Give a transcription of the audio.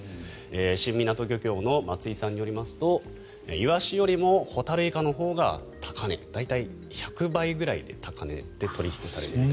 新湊漁協の松井さんによりますとイワシよりもホタルイカのほうが高値大体、１００倍くらいの高値で取引されると。